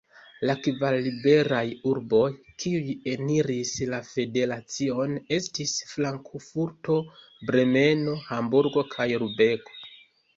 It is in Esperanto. La kvar liberaj urboj, kiuj eniris la federacion, estis Frankfurto, Bremeno, Hamburgo kaj Lubeko.